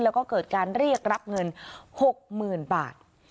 แล้วก็เกิดการเรียกรับเงิน๖๐๐๐บาท